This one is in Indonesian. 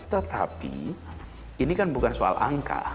tetapi ini kan bukan soal angka